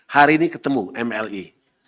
hari ini ketemu mla